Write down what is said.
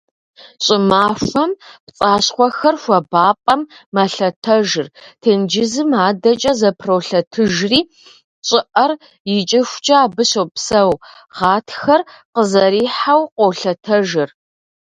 Щӏымахуэм пцӏащхъуэхэр хуабапӏэм мэлъэтэжыр, тенджызым адэкӏэ зэпролъэтыжри щӏыӏэр икӏыхукӏэ абы щопсэу, гъатхэр къызэрихьэу, къолъэтэжыр.